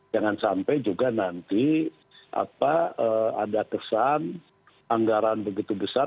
jangan sampai juga nanti ada kesan anggaran begitu besar